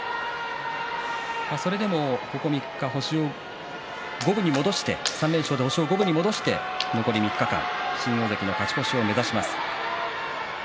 それでもここ３日３連勝で星を五分に戻して残り３日間新大関の勝ち越しを目指します。